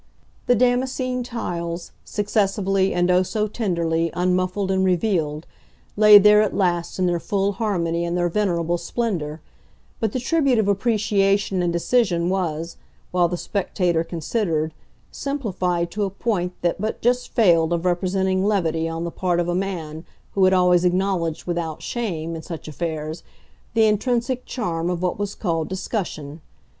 The Damascene tiles, successively, and oh so tenderly, unmuffled and revealed, lay there at last in their full harmony and their venerable splendour, but the tribute of appreciation and decision was, while the spectator considered, simplified to a point that but just failed of representing levity on the part of a man who had always acknowledged without shame, in such affairs, the intrinsic charm of what was called discussion.